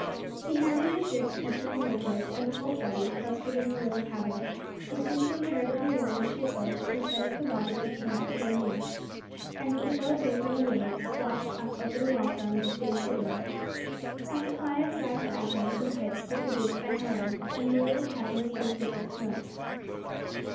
He handed a shirt to each of the negroes, and the whole party, clustered in the little cabin, were soon comparatively warm and cheerful, in spite of the water, which came up to their knees, and when the boat rose on a wave, swashed up over the locker on which they were sitting. A supply of dry tobacco and some pipes were produced by Hiram, and the little cabin was soon thick with smoke.